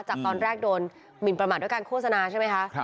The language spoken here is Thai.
จากตอนแรกโดนหมินประมาทด้วยการโฆษณาใช่ไหมคะ